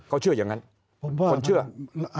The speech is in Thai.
เขาเชื่อยังแบบนั้น